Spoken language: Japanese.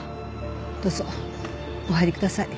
どうぞお入りください。